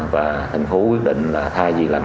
và tp hcm quyết định là thay vì lần hai